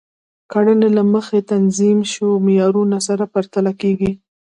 کړنې له مخکې تنظیم شوو معیارونو سره پرتله کیږي.